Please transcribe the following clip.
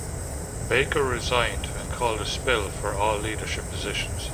Baker resigned and called a spill for all leadership positions.